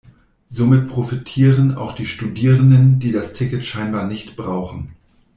Somit profitieren auch die Studierenden, die das Ticket scheinbar nicht brauchen.